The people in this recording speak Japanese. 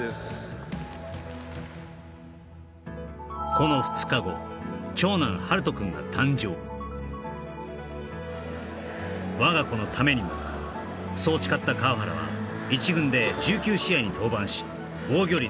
この２日後「我が子のためにも」そう誓った川原は１軍で１９試合に登板し防御率